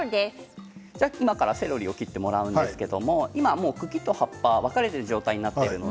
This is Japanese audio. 今からセロリを切っていただくんですけども茎と葉っぱが分かれた状態になっています。